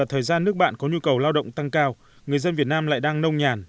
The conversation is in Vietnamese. thời gian nước bạn có nhu cầu lao động tăng cao người dân việt nam lại đang nông nhàn